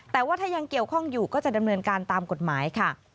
แต่ว่าถ้ายังเกี่ยวข้องอยู่ก็จะดำเนินการตามกฎหมายค่ะ